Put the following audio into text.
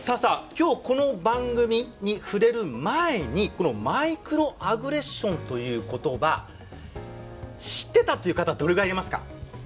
今日この番組に触れる前にこのマイクロアグレッションという言葉知ってたという方どれぐらいいますか？